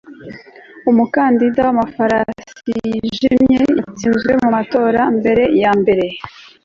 umukandida wamafarasi yijimye yatsinzwe mumatora mbere yambere